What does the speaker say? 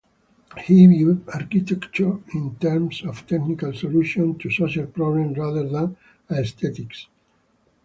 He viewed architecture in terms of technical solutions to social problems rather than aesthetics.